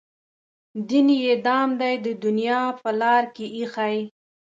دین یې دام دی د دنیا په لار کې ایښی.